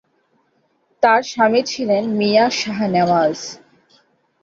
তাঁর স্বামী ছিলেন মিয়াঁ শাহ নেওয়াজ।